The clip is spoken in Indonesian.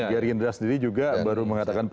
yary indra sendiri juga baru mengatakan